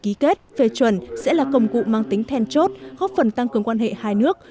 ký kết phê chuẩn sẽ là công cụ mang tính then chốt góp phần tăng cường quan hệ hai nước